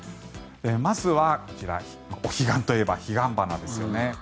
まずはこちら、お彼岸といえばヒガンバナですよね。